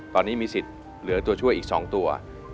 ตอนนี้มีสิทธิ์เหลือตัวช่วยอีก๒ตัว